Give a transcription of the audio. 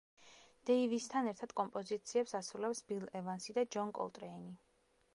დეივისთან ერთად კომპოზიციებს ასრულებს ბილ ევანსი და ჯონ კოლტრეინი.